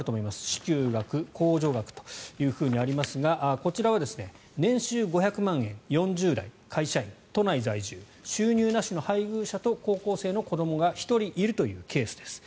支給額、控除額とありますがこちらは年収５００万円４０代会社員都内在住、収入なしの配偶者と高校生の子どもが１人いるというケースです。